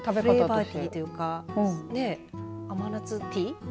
フレーバーティーというか甘夏ティー。